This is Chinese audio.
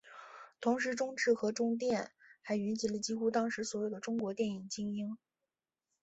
同时中制和中电还云集了几乎当时所有的中国电影精英。